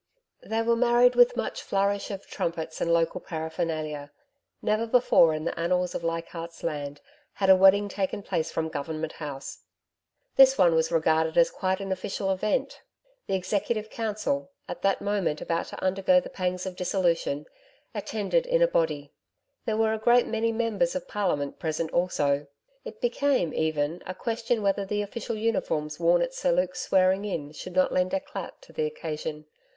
They were married with much flourish of trumpets and local paraphernalia. Never before in the annals of Leichardt's Land had a wedding taken place from Government House. This one was regarded as quite an official event. The Executive Council at that moment about to undergo the pangs of dissolution attended in a body. There were a great many members of parliament present also. It became even a question whether the official uniforms worn at Sir Luke's 'Swearing In' should not lend eclat to the occasion.